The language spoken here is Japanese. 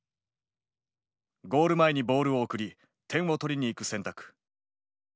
ゴール前にボールを送り点を取りにいく選択。